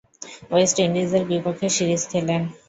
West ইন্ডিজের বিপক্ষে series খেলেন।